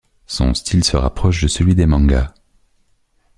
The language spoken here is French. Son style se rapproche de celui des manga.